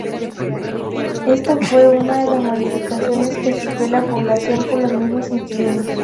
Esto fue una de las modificaciones que sufrió la población por los mismos inquilinos.